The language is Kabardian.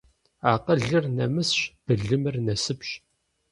Акъылыр нэмысщ, былымыр насыпщ.